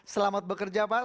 selamat bekerja pak